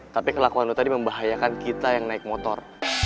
tapi kelakuan itu tadi membahayakan kita yang naik motor